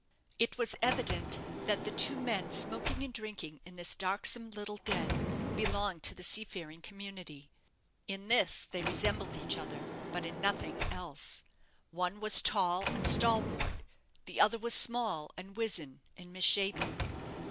It was evident that the two men smoking and drinking in this darksome little den belonged to the seafaring community. In this they resembled each other; but in nothing else. One was tall and stalwart; the other was small, and wizen, and misshapen.